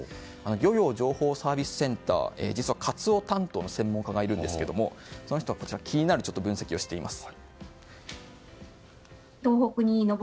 漁業情報サービスセンターにカツオ担当の専門家がいるんですけれども、その人が気になる分析をしています。